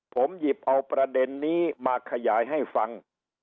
ผมหยิบเอาประเด็นนี้มาขยายให้ฟัง